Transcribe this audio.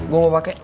gue mau pake